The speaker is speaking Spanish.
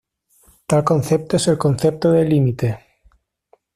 Tal concepto es el concepto de "límite".